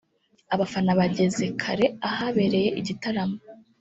Abafana bageze kare ahabereye igitaramo